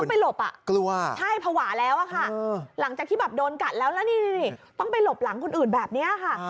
ไปหลบอ่ะกลัวใช่ภาวะแล้วอะค่ะหลังจากที่แบบโดนกัดแล้วแล้วนี่ต้องไปหลบหลังคนอื่นแบบนี้ค่ะ